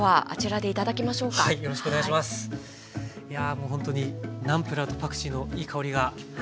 もうほんとにナムプラーとパクチーのいい香りが。